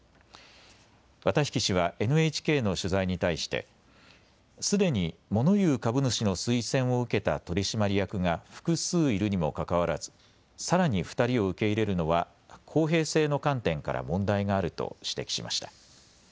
綿引氏はＮＨＫの取材に対してすでにモノ言う株主の推薦を受けた取締役が複数いるにもかかわらずさらに２人を受け入れるのは公平性の観点から問題があると指摘しました。